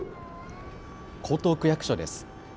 江東区役所です。